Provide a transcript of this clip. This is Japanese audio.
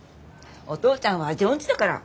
お父ちゃんは味音痴だから。